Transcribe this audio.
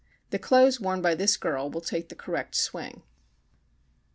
The clothes worn by this girl will take the correct swing.